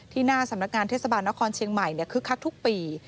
หน้าสำนักงานเทศบาลนครเชียงใหม่คึกคักทุกปี